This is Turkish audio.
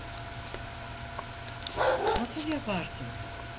Nasıl yaparsın?